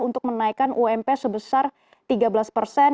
untuk menaikkan ump sebesar tiga belas persen